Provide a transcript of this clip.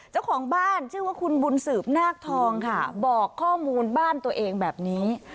เจ้าของบ้านชื่อว่าคุณบุญสืบนาคทองค่ะบอกข้อมูลบ้านตัวเองแบบนี้